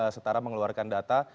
setara mengeluarkan data